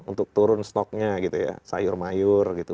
untuk turun stoknya gitu ya sayur sayuran